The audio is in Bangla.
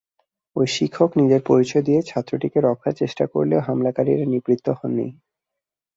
ওই শিক্ষক নিজের পরিচয় দিয়ে ছাত্রটিকে রক্ষার চেষ্টা করলেও হামলাকারীরা নিবৃত্ত হননি।